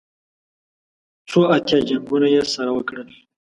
څو اتیا جنګونه یې سره وکړل.